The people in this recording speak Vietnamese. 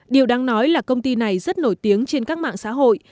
điều đáng nói là công ty này rất nổi tiếng trên các mạng xã hội